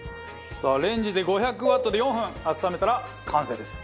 さあレンジで５００ワットで４分温めたら完成です。